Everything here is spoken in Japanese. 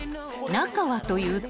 ［中はというと］